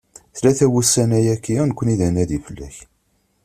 Tlata wussan-ayagi, nekni d anadi fell-ak.